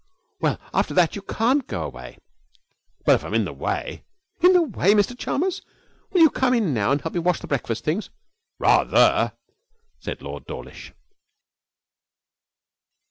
Well, after that you can't go away.' 'But if I'm in the way ' 'In the way! Mr Chalmers, will you come in now and help me wash the breakfast things?' 'Rather!' said Lord Dawlish.